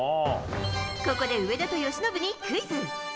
ここで、上田と由伸にクイズ。